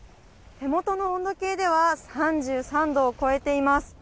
手元の温度計では３３度を超えています。